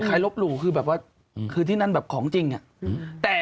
ลบหลู่คือแบบว่าคือที่นั่นแบบของจริงอ่ะแต่